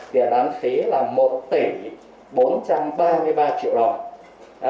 tiền án phí là một tỷ bốn trăm ba mươi ba triệu đồng